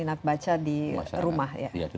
rumah ya iya di rumah